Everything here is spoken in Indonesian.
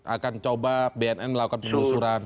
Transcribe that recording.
akan coba bnn melakukan penelusuran